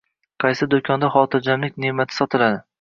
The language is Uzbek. Qaysi do‘konda xotirjamlik ne’mati sotiladi?